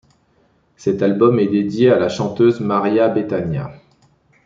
Cet album est dédié à la chanteuse Maria Bethânia.